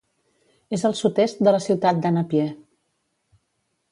És al sud-est de la ciutat de Napier.